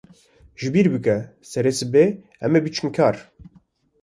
Ji bîr bike, serê sibehê em ê biçin kar.